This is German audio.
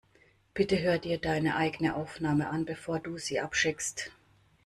Bitte hör dir deine eigene Aufnahme an, bevor du sie abschickst.